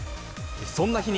そんな日に、